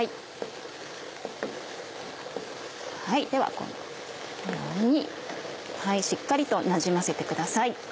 このようにしっかりとなじませてください。